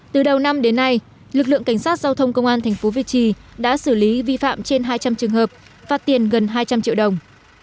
từ đầu năm đến nay lực lượng cảnh sát giao thông công an thành phố việt trì đã xử lý vi phạm trên hai trăm linh trường hợp phạt tiền gần hai trăm linh triệu đồng